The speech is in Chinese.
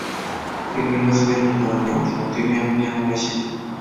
例如一个四面体的两条对边互相歪斜。